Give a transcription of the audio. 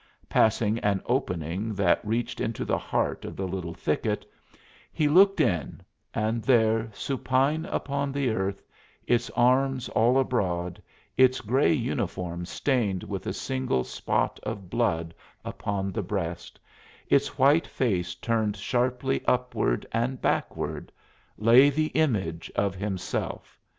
Passing an opening that reached into the heart of the little thicket he looked in, and there, supine upon the earth, its arms all abroad, its gray uniform stained with a single spot of blood upon the breast, its white face turned sharply upward and backward, lay the image of himself!